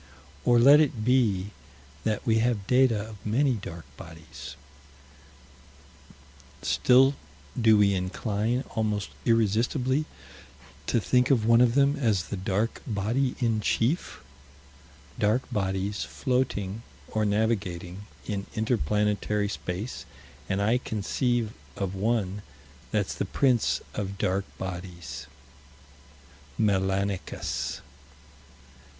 Or let it be that we have data of many dark bodies still do we incline almost irresistibly to think of one of them as the dark body in chief. Dark bodies, floating, or navigating, in inter planetary space and I conceive of one that's the Prince of Dark Bodies: Melanicus.